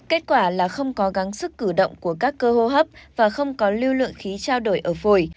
kết quả là không có gắn sức cử động của các cơ hô hấp và không có lưu lượng khí trao đổi ở phổi